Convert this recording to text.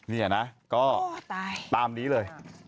นี่นะก็ตามนี้เลย